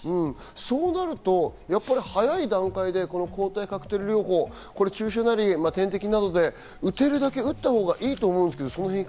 そうなると早い段階で抗体カクテル療法、注射や点滴で打てるだけ打った方がいいと思うんです